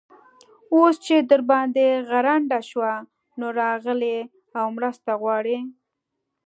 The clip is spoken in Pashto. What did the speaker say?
اوس چې در باندې غرنده شوه؛ نو، راغلې او مرسته غواړې.